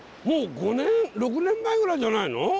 もう５年６年前ぐらいじゃないの？